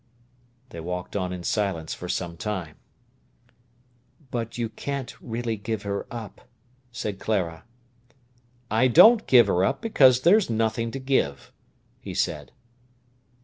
They walked on in silence for some time. "But you can't really give her up," said Clara. "I don't give her up, because there's nothing to give," he said.